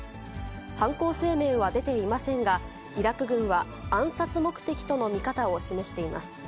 犯行声明は出ていませんが、イラク軍は暗殺目的との見方を示しています。